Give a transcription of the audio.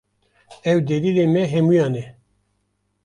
Ew delîlê me hemûyan e